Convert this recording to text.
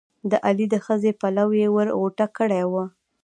د علي د ښځې پلو یې ور غوټه کړی وو.